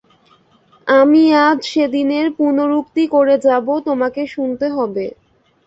আমি আজ সেদিনের পুনরুক্তি করে যাব, তোমাকে শুনতে হবে।